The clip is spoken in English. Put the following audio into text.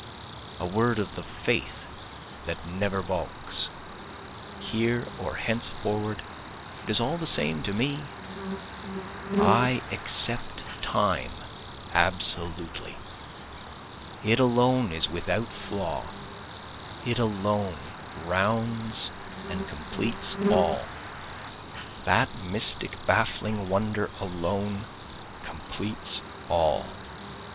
A word of the faith that never balks, Here or henceforward it is all the same to me, I accept Time absolutely. It alone is without flaw, it alone rounds and completes all, That mystic baffling wonder alone completes all.